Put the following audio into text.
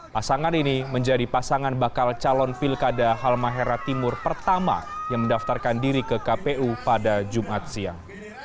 pasangan ini menjadi pasangan bakal calon pilkada halmahera timur pertama yang mendaftarkan diri ke kpu pada jumat siang